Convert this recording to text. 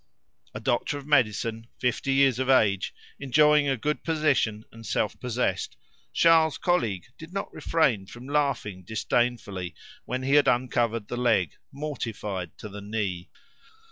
A doctor of medicine, fifty years of age, enjoying a good position and self possessed, Charles's colleague did not refrain from laughing disdainfully when he had uncovered the leg, mortified to the knee.